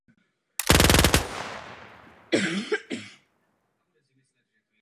Lidstvo navazuje svůj první kontakt s bytostmi pocházejícími mimo naší planetu.